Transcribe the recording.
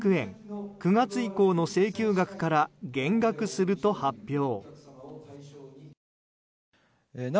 ９月以降の請求額から減額すると発表。